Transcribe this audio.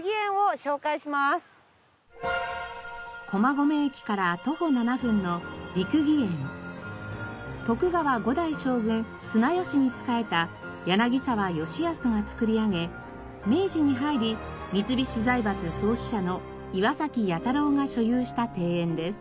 駒込駅から徒歩７分の徳川５代将軍綱吉に仕えた柳澤吉保が造り上げ明治に入り三菱財閥創始者の岩崎彌太郎が所有した庭園です。